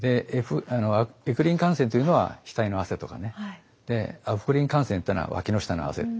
エクリン汗腺というのは額の汗とかねアポクリン汗腺ってのはわきの下の汗。